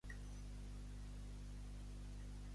Té una forma estranya, amb una capçada com una umbel·la.